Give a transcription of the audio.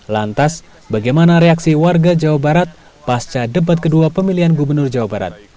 lantas bagaimana reaksi warga jawa barat pasca debat kedua pemilihan gubernur jawa barat